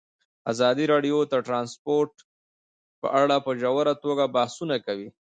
ازادي راډیو د ترانسپورټ په اړه په ژوره توګه بحثونه کړي.